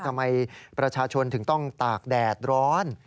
ทำไมประชาชนถึงต้องตากแดดร้อน